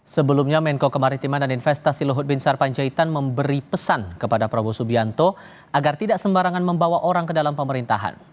sebelumnya menko kemaritiman dan investasi luhut bin sarpanjaitan memberi pesan kepada prabowo subianto agar tidak sembarangan membawa orang ke dalam pemerintahan